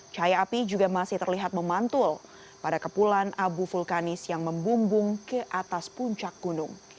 cahaya api juga masih terlihat memantul pada kepulan abu vulkanis yang membumbung ke atas puncak gunung